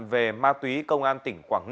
về ma túy công an tỉnh quảng ngân